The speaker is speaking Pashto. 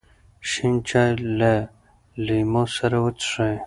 شین چای له لیمو سره وڅښئ.